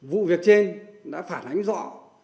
vụ việc trên đã phản ánh rõ